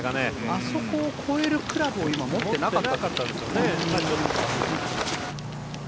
あそこを越えるクラブを今、持ってなかったんでしょうね。